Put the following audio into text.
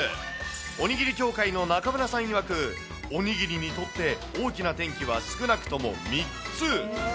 おにぎり協会の中村さんいわく、おにぎりにとって、大きな転機は少なくとも３つ。